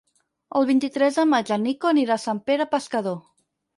El vint-i-tres de maig en Nico anirà a Sant Pere Pescador.